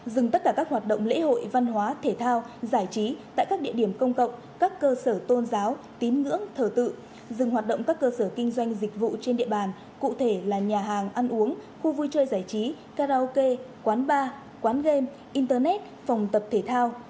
dừng tất cả các hoạt động lễ hội văn hóa thể thao giải trí tại các địa điểm công cộng các cơ sở tôn giáo tín ngưỡng thờ tự dừng hoạt động các cơ sở kinh doanh dịch vụ trên địa bàn cụ thể là nhà hàng ăn uống khu vui chơi giải trí karaoke quán bar quán game internet phòng tập thể thao